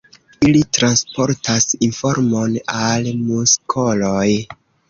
Ili transportas informon al muskoloj.